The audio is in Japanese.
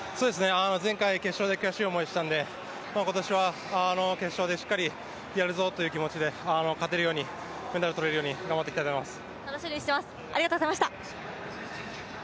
前回、決勝で悔しい思いしたんで今年は決勝でしっかりやるぞという気持ちで勝てるように、金メダルをとれるように頑張っていきたいと思います。